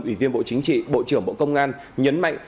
ủy viên bộ chính trị bộ trưởng bộ công an nhấn mạnh